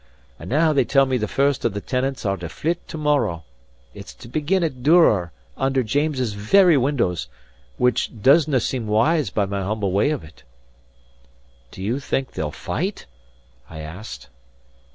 And now they tell me the first of the tenants are to flit to morrow. It's to begin at Duror under James's very windows, which doesnae seem wise by my humble way of it." "Do you think they'll fight?" I asked.